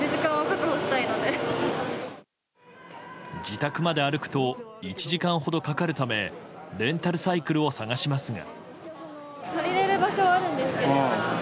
自宅まで歩くと１時間ほどかかるためレンタルサイクルを探しますが。